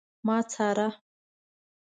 ما څاره